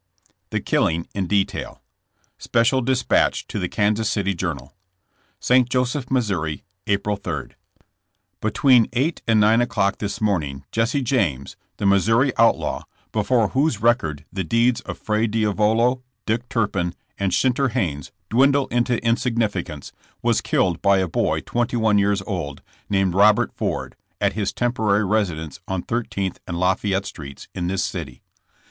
THE KILLING IN DETAIL. Special Dispatch to the Kansas City Journal: St. Joseph, Mo., April 3.— Between eight and nine o'clock this morning Jesse James, the Missouri outlaw, before whose record the deeds of Fra Diavolo, Dick Turpin and Shinterhannes dwindle into insignificance, v/as killed by a boy twenty one years old, named Robt. Ford, at his temporary resi dence on Thirteenth and Lafayette streets, in this city.